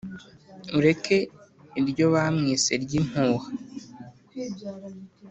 Ureke iryo bamwise ry'impuha;